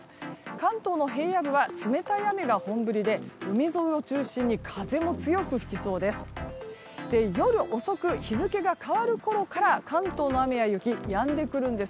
関東の平野部は冷たい雨が本降りで海沿いを中心に風も強く吹きそうです。